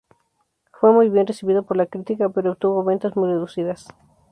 Fue muy bien recibido por la crítica, pero obtuvo ventas muy reducidas.